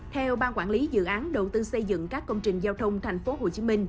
theo ban quản lý dự án đầu tư xây dựng các công trình giao thông tp hcm